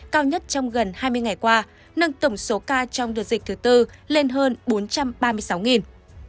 cao nhất trong gần hai mươi ngày qua nâng tổng số ca trong đợt dịch thứ tư lên hơn bốn trăm ba mươi sáu